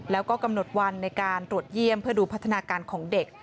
แล้วก็กำหนดวันในการตรวจเยี่ยมเพื่อดูพัฒนาการของเด็ก